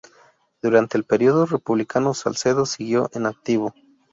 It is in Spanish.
Durante el periodo republicano, Salcedo siguió en activo.